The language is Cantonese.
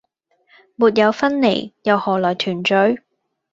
沒有分離，又可來團聚！